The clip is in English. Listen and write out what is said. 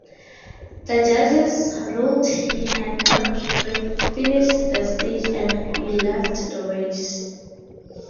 The judges ruled he had not finished the stage and he left the race.